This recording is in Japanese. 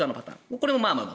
これもまあまあ。